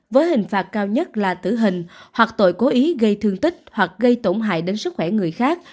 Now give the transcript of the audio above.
với hình phạt cao nhất là tử hình hoặc tội cố ý gây thương tích hoặc gây tổn hại đến sức khỏe người khác